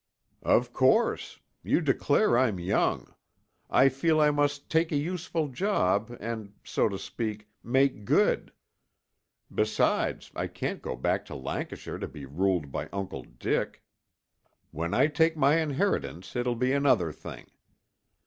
"Of course. You declare I'm young. I feel I must take a useful job and, so to speak, make good. Besides, I can't go back to Lancashire to be ruled by Uncle Dick. When I take my inheritance, it will be another thing.